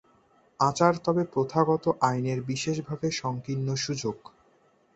আচার, তবে, প্রথাগত আইনের বিশেষভাবে সংকীর্ণ সুযোগ।